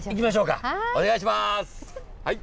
はい。